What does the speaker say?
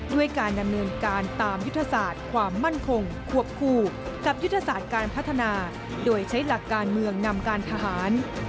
ด้วยการดำเนินการตามยุทธศาสตร์ความมั่นคงควบคู่กับยุทธศาสตร์การพัฒนาโดยใช้หลักการเมืองนำการทหาร